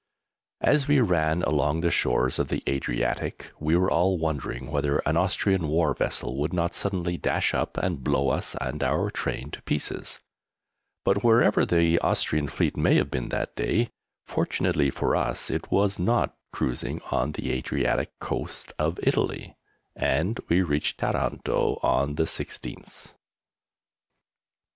As we ran along the shores of the Adriatic, we were all wondering whether an Austrian war vessel would not suddenly dash up and blow us and our train to pieces, but, wherever the Austrian fleet may have been that day, fortunately for us it was not cruising on the Adriatic Coast of Italy, and we reached Taranto on the 16th.